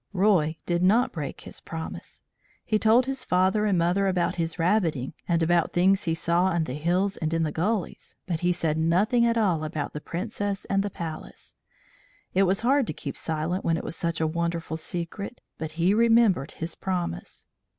Roy did not break his promise. He told his father and mother about his rabbiting, and about things he saw on the hills and in the gullies, but he said nothing at all about the Princess and the Palace. It was hard to keep silent when it was such a wonderful secret, but he remembered his promise.